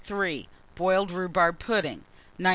Boiled rhubarb pudding. 1973.